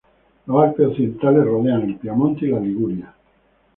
Los Alpes occidentales rodean el Piamonte y la Liguria.